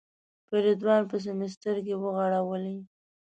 په رضوان پسې مې سترګې وغړولې.